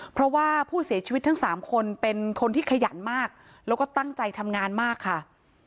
เพราะว่าผู้เสียชีวิตทั้งสามคนเป็นคนที่ขยันมากแล้วก็ตั้งใจทำงานมากค่ะ